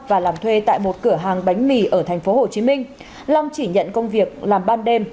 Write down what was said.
và làm thuê tại một cửa hàng bánh mì ở thành phố hồ chí minh long chỉ nhận công việc làm ban đêm